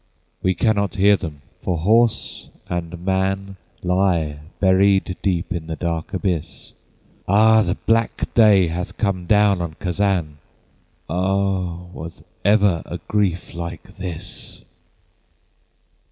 We cannot hear them; for horse and man Lie buried deep in the dark abyss! Ah! the black day hath come down on Kazan! Ah! was ever a grief like this?